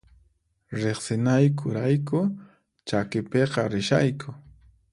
Riqsinayku rayku chakipiqa rishayku